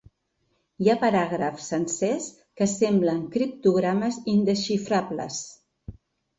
Hi ha paràgrafs sencers que semblen criptogrames indesxifrables.